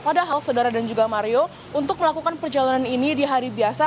padahal saudara dan juga mario untuk melakukan perjalanan ini di hari biasa